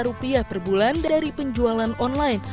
rp lima puluh juta per bulan dari penjualan online